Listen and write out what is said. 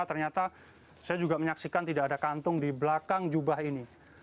ternyata saya juga menyaksikan tidak ada kantung di belakang jubah ini